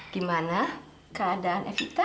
gimana keadaan evita